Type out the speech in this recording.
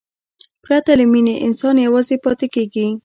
پرته له مینې، انسان یوازې پاتې کېږي.